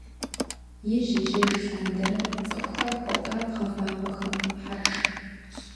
Ижь-ижьыж лъандэрэ цӏыхухэр хуопабгъэ вагъуэхэм, хьэршым.